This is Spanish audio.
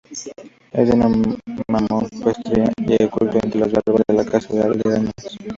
Es de mampostería y está oculto entre las bardas de las casa aledañas.